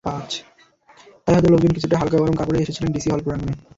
তাই হয়তো লোকজন কিছুটা হালকা গরম কাপড়েই এসেছিলেন ডিসি হিল প্রাঙ্গণে।